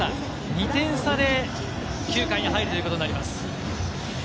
２点差で９回に入るということになります。